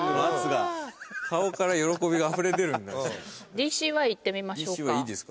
ＤＣＹいってみましょうか。